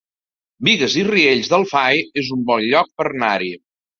Bigues i Riells del Fai es un bon lloc per anar-hi